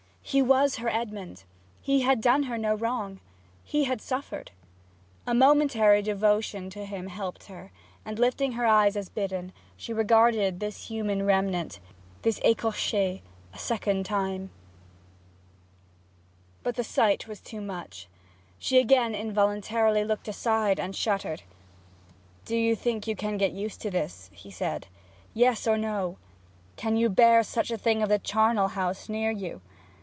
He was her Edmond; he had done her no wrong; he had suffered. A momentary devotion to him helped her, and lifting her eyes as bidden she regarded this human remnant, this ecorche, a second time. But the sight was too much. She again involuntarily looked aside and shuddered. 'Do you think you can get used to this?' he said. 'Yes or no! Can you bear such a thing of the charnel house near you?